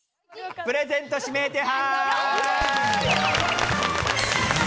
プレゼント指名手配！